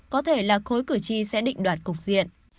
có thể là khối cử tri sẽ định đoạt cục diện